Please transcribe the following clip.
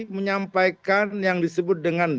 menyampaikan yang disebut dengan